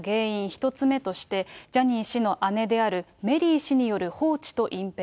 １つ目として、ジャニー氏の姉であるメリー氏による放置と隠蔽。